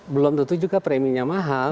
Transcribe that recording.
belum tentu juga preminya mahal